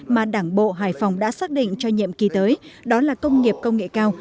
mà đảng bộ hải phòng đã xác định cho nhiệm kỳ tới đó là công nghiệp công nghệ cao